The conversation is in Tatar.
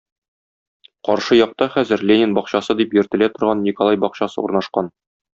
Каршы якта хәзер Ленин бакчасы дип йөртелә торган Николай бакчасы урнашкан.